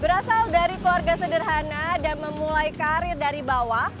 berasal dari keluarga sederhana dan memulai karir dari bawah